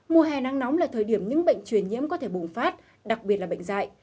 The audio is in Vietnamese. mùa hè nắng nóng là thời điểm những bệnh truyền nhiễm có thể bùng phát đặc biệt là bệnh dạy